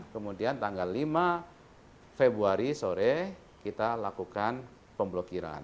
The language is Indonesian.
kemudian tanggal lima februari sore kita lakukan pemblokiran